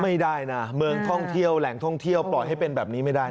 ไม่ได้นะเมืองท่องเที่ยวแหล่งท่องเที่ยวปล่อยให้เป็นแบบนี้ไม่ได้